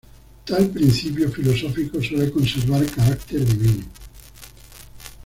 Tal principio filosófico suele conservar carácter divino.